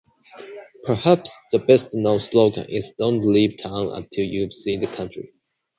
Perhaps the best known slogan is "Don't leave town until you've seen the country".